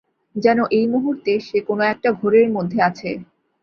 যেন এই মুহূর্তে সে কোনো-একটা ঘোরের মধ্যে আছে।